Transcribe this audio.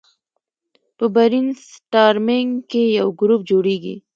په برین سټارمینګ کې یو ګروپ جوړیږي.